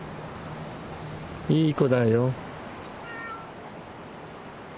いい子だよ。